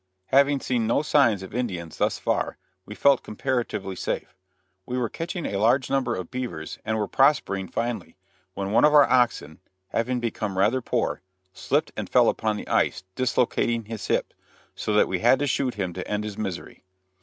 Having seen no signs of Indians thus far, we felt comparatively safe. We were catching a large number of beavers and were prospering finely, when one of our oxen, having become rather poor, slipped and fell upon the ice, dislocating his hip, so that we had to shoot him to end his misery.